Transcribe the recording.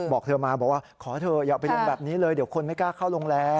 บอกเธอมาบอกว่าขอเถอะอย่าไปลงแบบนี้เลยเดี๋ยวคนไม่กล้าเข้าโรงแรม